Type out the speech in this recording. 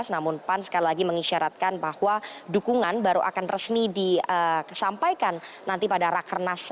namun pan sekali lagi mengisyaratkan bahwa dukungan baru akan resmi disampaikan nanti pada rakernas